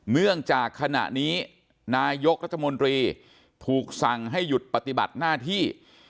เนื่องจากขณะนี้นายกรัฐมนตรีถูกสั่งให้หยุดปฏิบัติหน้าที่